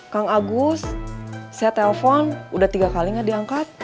kang agus saya telpon udah tiga kali gak diangkat